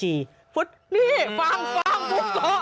นี่ฟังฟังฟุกเกาะ